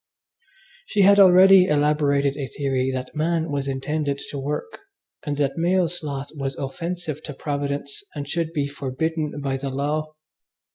She had already elaborated a theory that man was intended to work, and that male sloth was offensive to Providence and should be forbidden by the law.